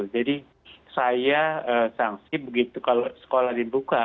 jadi saya sangsi begitu kalau sekolah dibuka